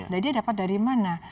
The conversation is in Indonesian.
jadi dapat dari mana